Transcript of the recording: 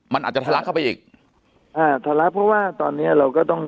มันอาจจะทะลักเข้าไปอีกอ่าทะลักเพราะว่าตอนเนี้ยเราก็ต้อง